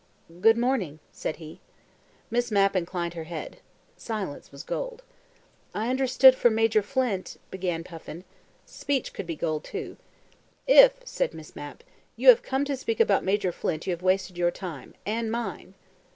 "Good morning," said he. Miss Mapp inclined her head. Silence was gold. "I understood from Major Flint " began Puffin. Speech could be gold too. "If," said Miss Mapp, "you have come to speak about Major Flint you have wasted your time. And mine!"